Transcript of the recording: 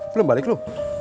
belum balik lu